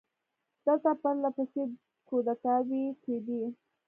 دلته پر له پسې کودتاوې کېدې.